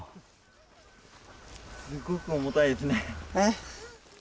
すごく重たいですね。